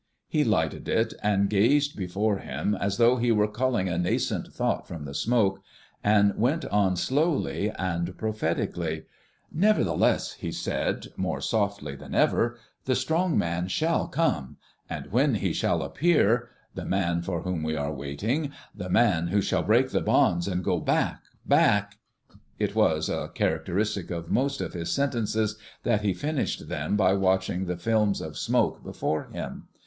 He lighted it, and gazing before him as though he were culling a nascent thought from the smoke, went on slowly and prophetically. "Nevertheless," he said, more softly than ever, "the strong man shall come; and when he shall appear the man for whom we are waiting the man who shall break the bonds and go back back " It was a characteristic of most of his sentences that he finished them by watching the films of smoke before him.